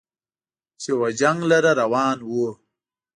چې و جنګ لره روان و